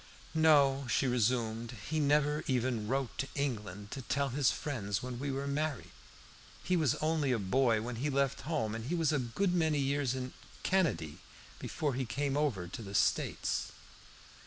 "No," she resumed, "he never even wrote to England to tell his friends when we were married. He was only a boy when he left home, and he was a good many years in Canady before he came over to the States."